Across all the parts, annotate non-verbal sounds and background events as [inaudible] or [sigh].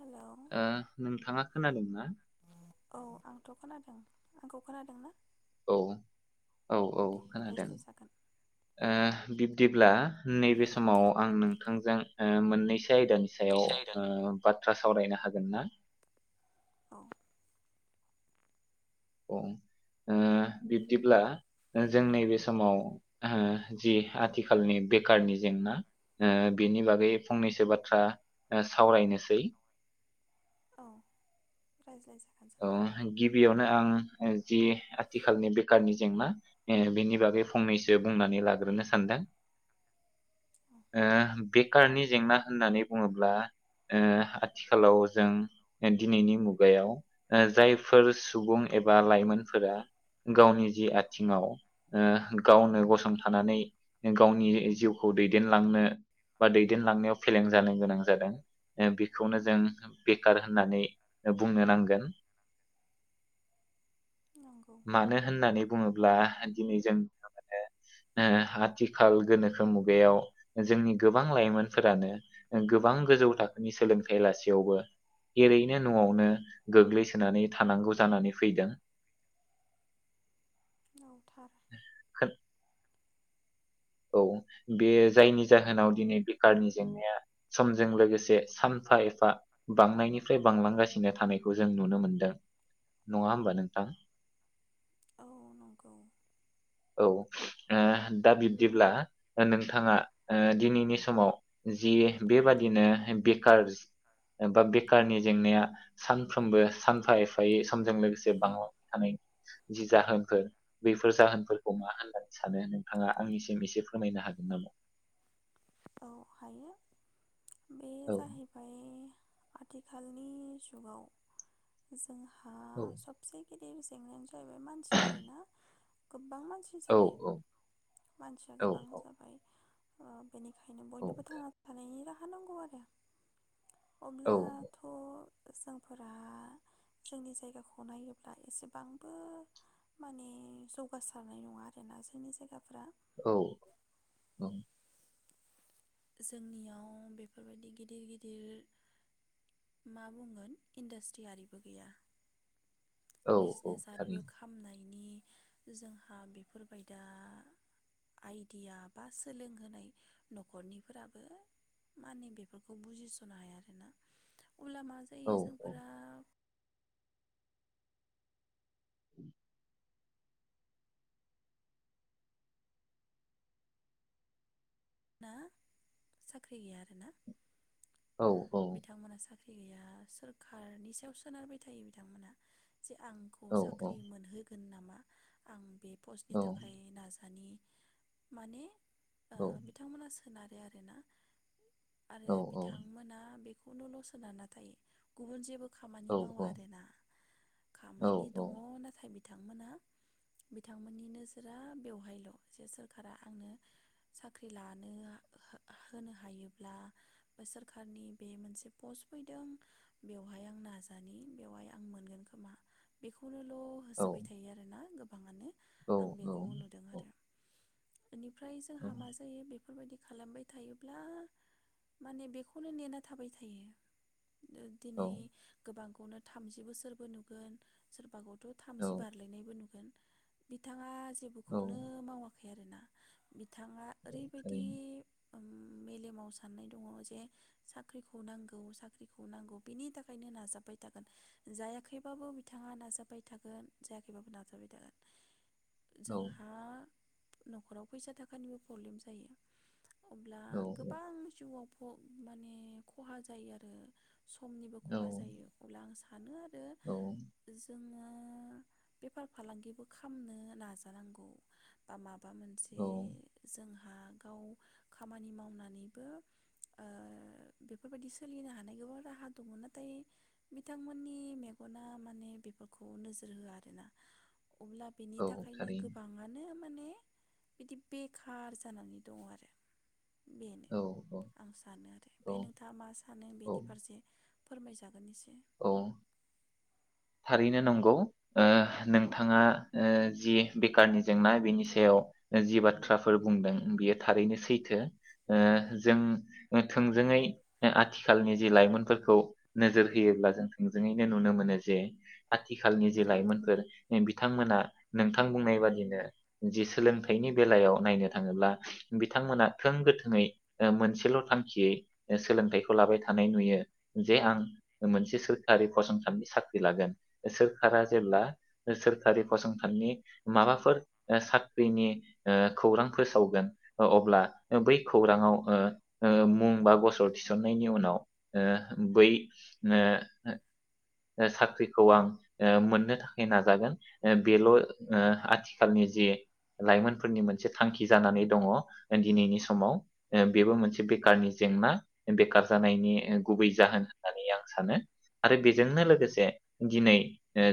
हेल' ओ नोंथाङा खोनादोंना? औ आंथ खोनादों आंखौ खोनादों ना? औ औ औ दे खोनादों। रायज्लायजागोन ओ बिब्दिब्ला नैबे समाव आं नोंथांजों ओ मोन्नैसो आयदानि सायाव ओ बाथ बाथ्रा सावरायनो हागोन ना? औ। औ ओ बिब्दिब्ला जों नैबे समाव ओ जि आथिखालनि बेखारनि जेंना ओ बेनि बागै फंनैसो बाथ्रा ओ सावरायनोसै। औ रायज्लायजा औ गिबियावनो आं जि आथिखालनि बेखारनि जेंना ओ बेनि बागै फंनैसो बुंनानै लाग्रोनो सान्दों। ओ बेखारनि जेंना होन्नानै बुङोब्ला ओ आथिखालाव जों दिनैनि मुगायाव जायफोर सुबुं एबा लाइमोनफोरा गावनि जि आथिङाव ओ गावनो गसंथानानै गावनि जिउखौ दैदेनलांनो बा दैदेनलांनायाव फेलें जानो गोनां जादों बेखौनो उम जों बेखार होन्नानै बुंनो नांगोन। नंगौ मानो होन्नानै बुङो ब्ला‌ दिनै जों नुनो मोनो ओ आथिखाल गोनोखो मुगायाव जोंनि गोबां लाइमोनफोरानो गोबां गोजौ थाखोनि सोलोंथाय लासेयावबो एरैनो उम नआवनो गोग्लै सो नानै थानांगौ जानानै फैदों। औ थार। खोन- औ बे जायनि जाहोनाव दिनै बेखारनि जेंनाया समजों लोगोसे सानफा एफा बांनायनिफ्राय बांलांगासिनो थानायखौ जों नुनो मोन्दों। नङा होमबा नोंथां? औ नंगौ। औ ओ दा बिब्दिब्ला नोंथाङा ओ दिनैनि समाव जि बेबादिनो बेखारस बा बेखारनि जेंनाया सानफ्रोमबो सानफा एफायै समजों लोगोसे बांलांबाय थानाय जि जाहोनफोर बैफोर जाहोनफोर खौ मा होन्नानै सानो नोंथाङा आंनिसिम एसे फोरमायनो हागोन नामा? औ हायो। बे औ जाहैबाय आथिखालनि जुगाव जोंहा औ सबसे गिदिर जेंनायानो जाहैबाय मानसि आरोना गोबां मानसि औ जाबाय मानसिया औ गोबां जाबाय ओ औ बयनोबो थांना थानायनि राहा थानांगौ आरो औ अब्ला थ जोंफोरा जोंनि जायगाखौ नायोब्ला एसेबांबो माने जौगासारनाय नङा आरोना जोंनि जायगाफ्रा। औ औ। जोंनियाव बेफोरबायदि गिदिर गिदिर मा बुंगोन इन्डास्ट्रि आरिबो गैया औ औ बिजनेस आरिबो थारैनो खामनाय माने जोंहा बिफोरबायदा आइदिया बा सोलोंहोनाय नखरनि फोराबो माने बेफोरखौ बुजिसनो हायाखैना उललामा औ जायो औ जोंफोरा औ [inaudible] ना साख्रि गैया आरोना औ औ। बिथांमोना साख्रि गैया सोरकारनि सायाव सोनारबाय थायो बिथांमोनहा जे आंखौ साख्रि मोनहो नामा आं बे पस्तनि औ थाखाय नाजानि माने औ सोनारे आरोना आरो बिथांमोना बे [unintelligible] गुबुन जेबो खामानि औ मावा आरोना औ खामानि औ दङ नाथाय बि बिथांमोना बिथांमोननि नोजोरा बेवहायल जे सोरखारा आंनो सा साख्रि लानो हो-होनो हायोब्ला सोरखारनि बे मोनसे पस्ट फैदों बेवहाय आं नाजानि बेवहाय आं मोनगोन खोमा बेखौनो औ होसोबाय थायो आरो ना गोबाङानो औ आं औ बेखौ नुदों औ बेनिफ्राय जोंहा मा बेफोरबायदि खालामबाय थायोब्ला माने बेखौनो नेना थाबाय थायो। औ दिनै गोबां नो थामजि बोसोरबो नुगोन सोरबा ग थामजि औ बारलायनायबो नुगोन बिथाङा औ जेबोखौनो मावाखै आरोना बिथाङा ओरैबायदि थारैनो मेलेमाव साननाय दङ जे साख्रिखौ नांगौ साख्रिखौ नांगौ बिनि थाखायनो नाजाबाय थागोन जायाखैबाबो बिथाङा नाजाबाय थागोन जायाखैबाबो नाजाबाय थागोन। जोंहा नखराव फैसा थाखानिबो प्रब्लेम जायो। अब्ला औ गोबां जिउआव माने खहा जायो आरो समनिबो औ खहा जायो अब्ला आं सा औ जोङो बेफार फालांगिबो खालामनो नाजानांगौ बा माबा बा मोनसे औ जोंहा गाव खामानि मावनानैबो ओ बेफोरबायदि सोलिनो हानाय गोबां राहा दङ नाथाय बिथांमोननि मेगना माने बेफोरखौ नोजोर होआ आरोना। अब्ला बेनि औ थाखायनो थारैनो गोबाङानो माने बिदि बे खार जानानै दङ आरो। बेनो औ आं सानो आरो औ ओमफ्राय नोंथाङा मा सानो औ बेनि फारसे फोरमायजागोन एसे। औ। थारैनो नंगौ नोंथाङा जि बेखारनि जेंना बेनि सायाव जि बाथ्राफोर बुंदों बेयो थारैनो सैथो जों थोंजोङै आथिखालनि जि लाइमोनफोरखौ नोजोर होयोब्ला जों थोंजोङैनो नुनो मोनो जे आथिखालनि जे लाइमोनफोर बिथांमोना नोंथां बुंनाय बादिनो जे सोलोंथाइनि बेलायाव नायनो थाङोब्ला बिथांमोना थों गोथोङै मोनसेल' थांखियै सोलोंथाइखौ लाबाय थानाय नुयो जे आं मोनसे सोरखारि फसंथाननि साख्रि लागोन। सोरखारा जेब्ला सोरखारि फसंथाननि माबाफोर साख्रिनि ओ खौरां फोसावगोन अब्ला बै खौराङाव ओ मुं बा गसर थिसननायनि उनाव ओ बै साख्रि खौ आं मोननो थाखाय नाजागोन बेल' आथिखालनि जि लाइमोनफोरनि मोनसे थांखि जानानै दङ दिनैनि समाव। बेबो मोनसे बेखारनि जेंना बेखार जानायनि गुबै जाहोन होननानै आं सानो। आरो बेजोंनो लोगोसे दिनै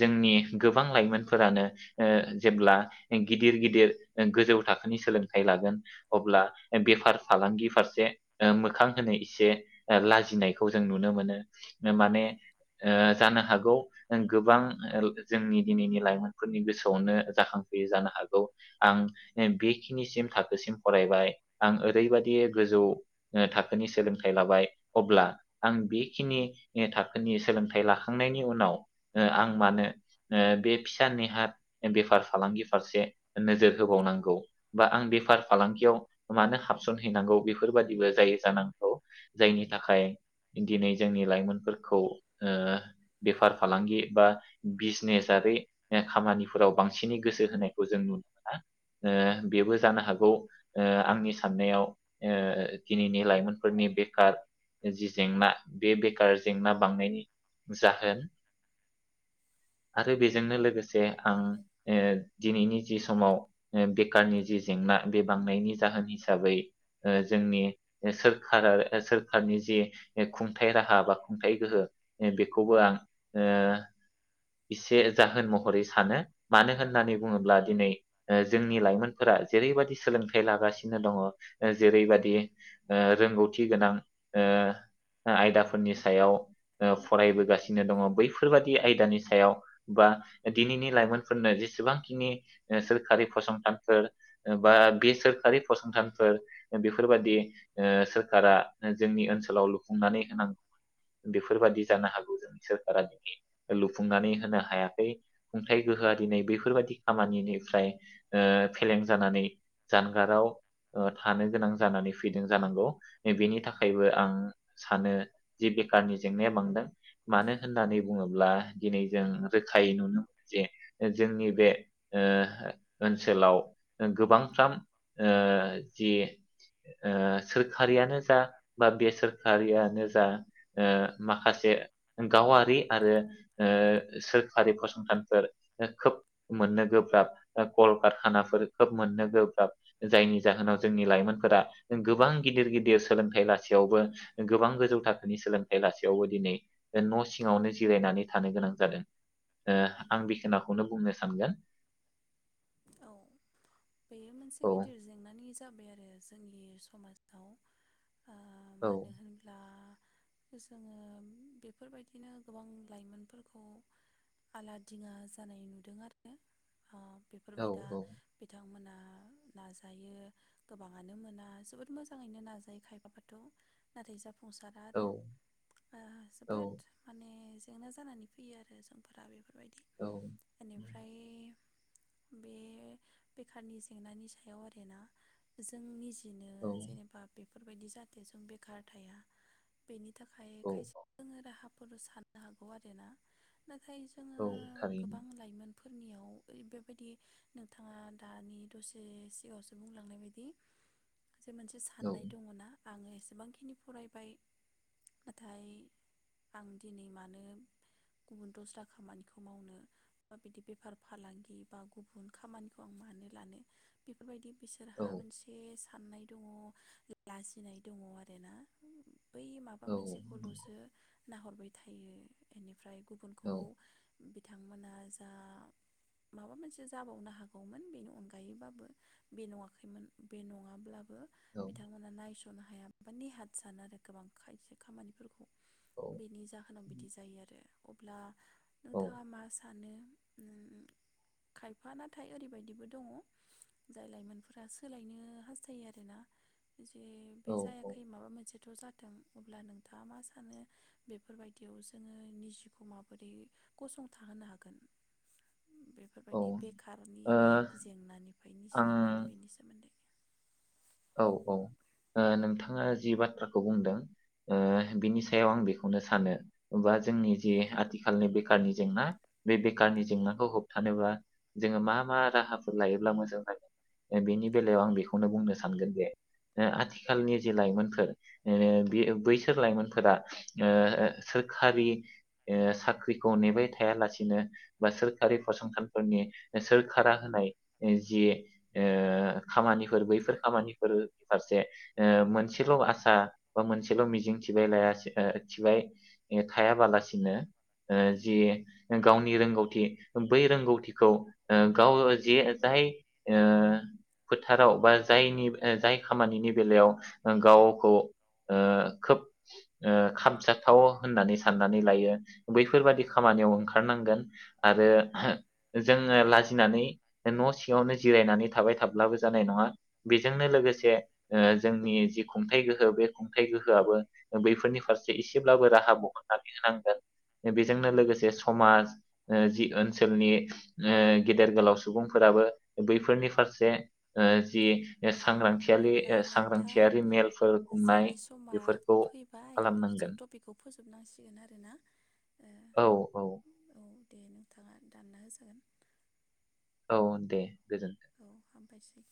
जोंनि गोबां लाइमोनफोरानो जेब्ला गिदिर गिदिर गोजौ थाखोनि सोलोंथाइ लागोन अब्ला बेफार फालांगि फारसे मोखां होनो एसे लाजिनायखौ जों नुनो मोनो। माने जानो हाग गौ गोबां जोंनि दिनैनि लाइमोनफोरनि गोसोआवनो जाखांफैयो जानो हागौ। आं बेखिनिसिम थाखोसिम फरायबाय आं ओरैबदि गोजौ थाखोनि सोलोंथाइ लाबाय अब्ला आं बेखिनि थाखोनि सोलोंथाइ लाखांनायनि उनाव आं मानो बे फिसा नेहाथ बेफार फालांगि फारसे नोजोर होबावनांगौ बा आं बेफार फालांगियाव मानो हाबसन हैैनांगौ बेफोरबादिबो जायो जानांगौ जायनि थाखाय दिनै जोंनि लाइमोनफोरखौ ओ बेफार फालांगि बा बिजनेसारि खामानिफोराव बांसिनै गोसो होनायखौ जों नुनो मोना। ओ बेबो जानो हागौ आंनि साननायाव ओ दिनैनि लाइमोनफोरनि बेखार जि जेंना। बे बेखार जेंना बांनायनि जाहोन आरो बेजोंनो लोगोसे आं दिनैनि जि समाव बेखारनि जि जेंना बे बांनायनि जाहोन हिसाबै जोंनि सोरखार सोरखारनि जि खुंथाय राहा बा खुंथाय गोहो बे खौबो आं ओ एसे जाहोन महरै सानो मानो होननानै बुङोब्ला दिनै जोंनि लाइमोनफोरा जेरैबायदि सोलोंथाइ लागासिनो दङ, जेरैबायदि रोंगौथि गोनां ओ आयदाफोरनि सायाव ओ फरायबोगासिनो दङ बैफोरबादि आयदानि सायाव बा दिनैनि लाइमोनफोरनो जेसेबांखिनि सोरखारि फसंथानफोर बा बे सोरखारि फसंथानफोर बेफोरबादि ओ सोरखारा जोंनि ओनसोलाव लुफुंनानै होनांगौ। बेफोरबादि जानो हागौ जों सोरखारा दिनै लुफुंनानै होनो हायाखै। खुंथाय गोहोआ दिनै बेैफोरबायदि खामानिनिफ्राय फेलें जानानै जानगाराव थानो गोनां जानानै फैदों। जानांगौ बेनि थाखायबो आं सानो जि बेखारनि जेंनाया बांदों। मानो होननानै बुङोब्ला दिनै जों रोखायै नुनो मोनो जे जोंनि ओ बे ओनसोलाव गोबांफ्राम जि सोरखारियानो जा बा बेसखारियानो जा ओ माखासे गावारि आरो ओ सोरखारि फसंथानफोर खोब मोननो गोब्राब कलकारखानाफोर खोब मोननो गोब्राब जायनि जाहोनाव जोंनि लाइमोनफोरा गोबां गिदिर गिदिर सोलोंथाइ लासेयावबो गोबां गोजौ थाखोनि सोलोंथाइ लासेयावबो दिनै न' सिङावनो जिरायनानै थानो गोनां जादों। ओ आं बिखोनाखौनो बुंनोसै। थांगोन। औ बेयो मोनसे गिदिर जेंनानि जाबाय आरो जोंनि समाजाव। आ औ मानो होनब्ला जोङो बेफोरबायदिनो गोबां लाइमोनफोरखौ आला दिङा जानाय नुदों आरो। औ बेफोरबाय दा औ बिथां मोना नाजायो गोबाङानो मोना जोबोद मोजाङैनो नाजायो खायफायाथ' नाथाइ जाफुङा। जाफुंसारा औ आरो ओ औ जोबोद माने जेंना जानानै फैयो आरो जोंफोरा बे बेफोरबायदि औ बेनिफ्राय बे बेखारनि जेंनानि सायाव आरोना जोंनि बिदिनो औ जेनेबा बे बेफोरबायदि जाहाथे जों बेखार थाया बेनि नि थाखाय औ खायसे जोङो राहा फोर साननो हागौ आरोना। नाथाय जोङो औ गोबां थारैनो लाइमोन फोरनियाव ओरै बायादि नोंथाङा दानि दसे सिगाङावसो बुंलांनाय बायदि जे मोनसे साननाय दङ ना? आङो एसेबांखिनि फरायबाय नाथाय आं दिनै मानो गुबुन दस्रा खामानिखौ मावनो बिदि बेफार फालांगि बा गुबुन खामानिखौ आं मानो लानो बेफोरबायदि औ बिसोरहा मोनसे साननाय दङ' लाजिनाय दङ' आरोना। बै माबा औ मोनसेखौलसो नाहरबाय थायो बेनिफ्राय औ गुबुनखौ बिथांमोना जा माबा मोनसे जाबावनो हागौमोन बेनि अनगायैबाबो बे नवाखैमोन बे नङाब्लाबो बिथांमोना नायसन जनो हाया माबा ने हारथ सानो आरो गोबां खायसे खामानिफोरखौ औ बिनि जाहोनाव बि बिदि जायो आरो अब्ला नोंथाङा मा सानो? खायफा नाथाय ओरैबायदिबो दङ' जाय लाइमोनफोरा सोलायनो हास्थायो आरोना जे बे औ जायाखै माबा मोनसे थ' जाथों अब्ला नोंथाङा मा सानो बेफोरबायदियाव जोङो निजिखौ माबोरै गसंथाहोनो हागोन? औ बेफोरबायदि बेखारनि ओ जेंनानिफ्राय निजि आं बेनि सोमोन्दै औ औ नोंथाङा जि बाथ्राखौ बुंदों बिनि सायाव आं बेखौनो सानो बा जोंनि जि आथिखालनि बेखारनि जेंना बे बेकारनि जेंनाखौ होबथानोबा जोङो मा मा राहाफोर लायोब्ला मोजां जागोन बेनि औ बेलायाव आं बेखौनो बुंनो सै सानगोन बे आथिखालनि जि लाइमोनफोर बैसोर लाइमोनफोरा सोरखारि साख्रिखौ नेबाय थायालासिनो बा सोरखारि फसंथानफोरनि सोरखारा होनाय जि खामानिफोर बैफोर खामानिफोरनि फारसे मोनसेल आसा बा मोनसेल मिजिं थिलाय थिबाय थायाबालासिनो उम जि गावनि रोंगौ रोंगौथि बै रोंगौथिखौ गाव जे जाय फोथाराव बा जायनि जाय खामानिनि बेलायाव गावखौ खोब खामजाथाव होननानै साननानै लायो उम बैफोरबादि उम खामानियाव ओंखारनांगोन आरो उम जोङो लासै फिनानै न' सिङावनो जिरायनानै थाबाय थाब्लाबो जानाय नङा बेजोंनो उम। लोगोसे जोंनि जि खुंथाइ गोहो बे खुंथाइ गोहोआबो बैफोरनि फारसे एसेब्लाबो राहा बहननानै होनांगोन बेजोंनो लोगोसे समाज जि ओनसोलनि गेदेर गोलाव सुबुंफोराबो बैफोरनि फारसे ओ जि बे औ सांग्रांथियारि अब्ला ओ नोंथां सांग्रांथियारि मेलफोर खुंनाय जोंनि समा बेफोरखौ खालामनांगोन खालामनांसिगोन आरो ना औ औ औ दे नोंथाङा दानना होजागोन। अ दे गोजोनथों। मबायसै।